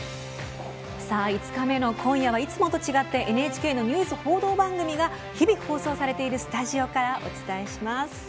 ５日目の今夜はいつもと違ってＮＨＫのニュース報道番組が日々放送されているスタジオからお伝えします。